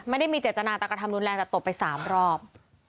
ไม่ได้มีเจตนาจะกระทำรุนแรงแต่ตบไป๓รอบ